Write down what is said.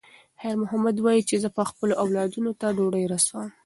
خیر محمد وایي چې زه به خپلو اولادونو ته ډوډۍ رسوم.